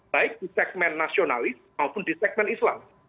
baik di segmen nasionalis maupun di segmen islam